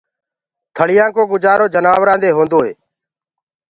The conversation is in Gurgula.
ٿݪيآ ڪو گُجآرو جنآورآنٚ دي هونٚدوئي